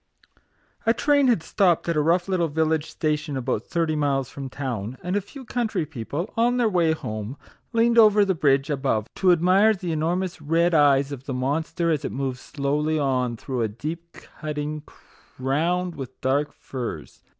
A train had stopped at a rough little village station about thirty miles from town, and a few country people, on their way home, leaned over the bridge above to admire the enormous red eyes of the monster as it moved slowly on through a deep cutting crowned with dark firs.